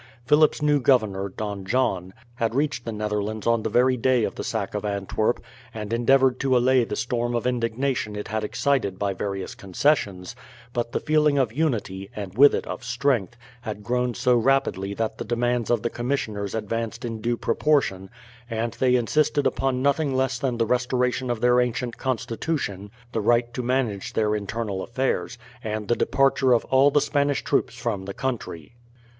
Philip's new governor, Don John, had reached the Netherlands on the very day of the sack of Antwerp, and endeavoured to allay the storm of indignation it had excited by various concessions; but the feeling of unity, and with it of strength, had grown so rapidly that the demands of the commissioners advanced in due proportion, and they insisted upon nothing less than the restoration of their ancient constitution, the right to manage their internal affairs, and the departure of all the Spanish troops from the country.